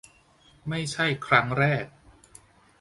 ไม่ใช่ครั้งแรก